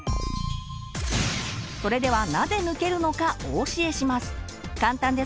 それではなぜ抜けるのかお教えします。